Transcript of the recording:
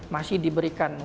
masih diberikan keperluan